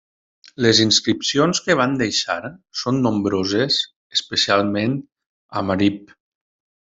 Les inscripcions que van deixar són nombroses especialment a Marib.